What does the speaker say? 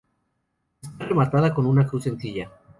Está rematada con una cruz sencilla.